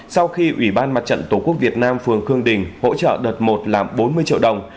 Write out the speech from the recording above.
sau khi ủy ban mặt trận tổ quốc việt nam phường khương đình hỗ trợ đợt một làm bốn mươi triệu đồng